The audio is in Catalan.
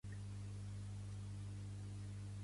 Del tronc ixen les flors de color blanc.